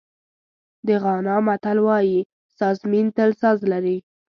د غانا متل وایي سازمېن تل ساز لري.